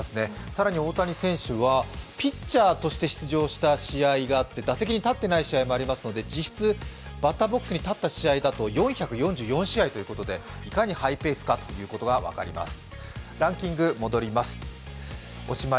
更に大谷選手はピッチャーとして出場した試合があって打席に立っていない試合もありますので実質、バッターボックスに立った試合だといかにハイペースかが分かります。